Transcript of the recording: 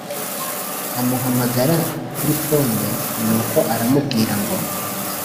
amuhamagara kuri phone nuko aramubwira ngo